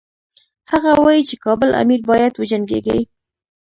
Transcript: هغه وايي چې کابل امیر باید وجنګیږي.